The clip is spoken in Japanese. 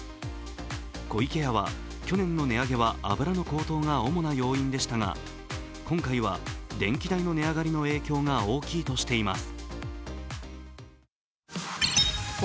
湖池屋は去年の値上げは油の高騰が主な要因でしたが今回は電気代の値上がりの影響が大きいとしています。